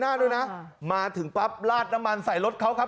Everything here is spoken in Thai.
ด้วยนะมาถึงปั๊บลาดน้ำมันใส่รถเขาครับ